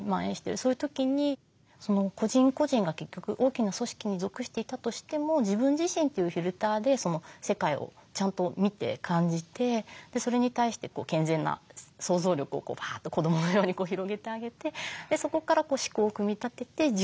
そういう時に個人個人が結局大きな組織に属していたとしても自分自身というフィルターで世界をちゃんと見て感じてそれに対して健全な想像力をパッと子どものように広げてあげてそこから思考を組み立てて実行していくっていう。